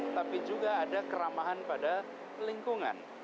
tapi juga ada keramahan pada lingkungan